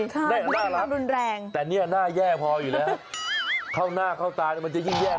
ใช่น่ารักแต่นี่หน้าแย่พออยู่แล้วครับมันจะยิ่งแย่ไปกันใหญ่ครับ